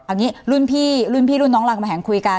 อันนี้รุ่นพี่รุ่นน้องหลังกำแหงคุยกัน